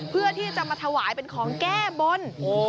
เพื่อที่จะมาถวายเป็นของแก้บน